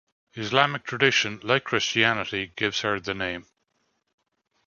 Islamic tradition, like Christianity, gives her the name.